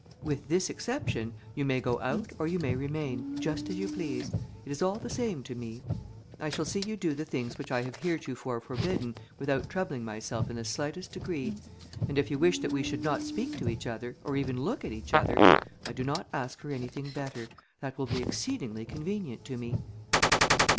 With this exception, you may go out or you may remain, just as you please; it is all the same to me. I shall see you do the things which I have heretofore forbidden, without troubling myself in the slightest degree. And if you wish that we should not speak to each other, or even look at each other, I do not ask for anything better: that will be exceedingly convenient to me."